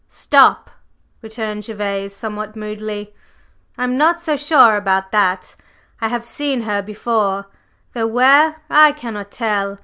"Stop!" returned Gervase somewhat moodily, "I am not so sure about that. I have seen her before, though where I cannot tell.